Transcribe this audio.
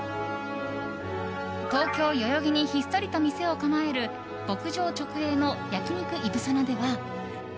東京・代々木にひっそりと店を構える牧場直営の焼肉